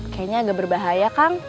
kayaknya agak berbahaya kang